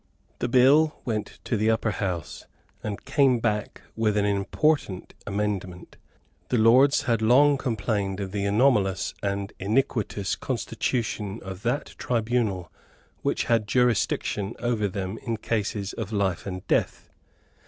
The Bill went to the Upper House, and came back with an important amendment. The Lords had long complained of the anomalous and iniquitous constitution of that tribunal which had jurisdiction over them in cases of life and death.